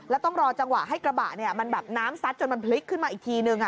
แล้วต้องรอจังหวะให้กระบะนี้อ่ะมันน้ำซัดจนขึ้นมาอีกทีนึงอ่ะ